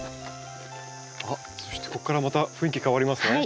あっそしてここからまた雰囲気変わりますね。